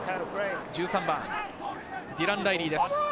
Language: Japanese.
１３番・ディラン・ライリーです。